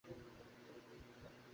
তিনি ব্রজধামে বাস করেছেন।